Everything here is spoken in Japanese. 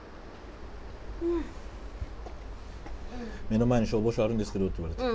目の前に消防署あるんですけどって言われて。